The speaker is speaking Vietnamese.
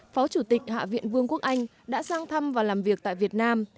phó chủ tịch hạ viện vương quốc anh đã sang thăm và làm việc tại việt nam